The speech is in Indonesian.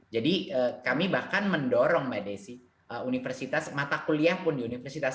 jadi kami bahkan mendorong mbak desy mata kuliah pun di universitas